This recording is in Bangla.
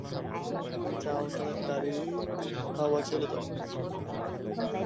যাও তাদের গাড়ির হাওয়া ছেড়ে দাও।